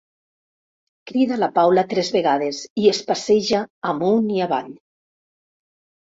Crida la Paula tres vegades i es passeja amunt i avall.